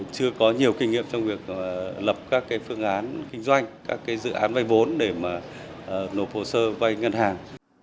chưa có nhiều kinh nghiệm trong việc lập các phương án kinh doanh các dự án vay vốn để nộp hồ sơ vay ngân hàng